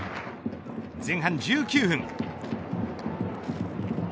前半１９分。